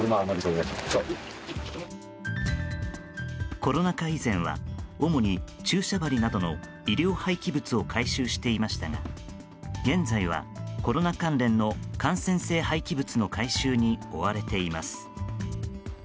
コロナ禍以前は主に注射針などの医療廃棄物を回収していましたが現在はコロナ関連の感染性廃棄物の回収に追われています。